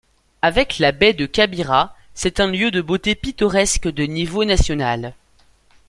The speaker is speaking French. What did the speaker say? Avec la baie de Kabira, c'est un lieu de beauté pittoresque de niveau national.